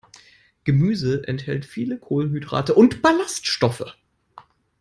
Gemüse enthält viele Kohlenhydrate und Ballaststoffe.